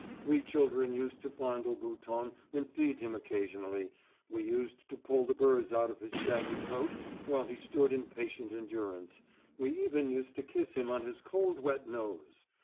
We children used to fondle Bouton and feed him occasionally, we used to pull the burrs out of his shaggy coat while he stood in patient endurance, we even used to kiss him on his cold, wet nose.